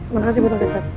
makasih butang kecap